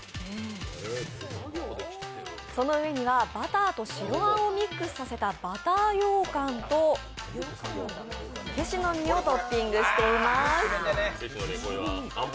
その上には、バターと白あんをミックスさせたバターようかんとケシの実をトッピングしています。